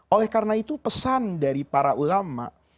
oleh karena itu pesan dari para ulama